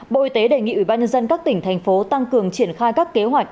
bộ y tế đề nghị ủy ban nhân dân các tỉnh thành phố tăng cường triển khai các kế hoạch